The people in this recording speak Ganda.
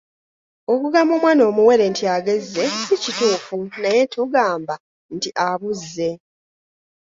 Okugamba omwana omuwere nti agezze si kituufu naye tugamba nti abuzze.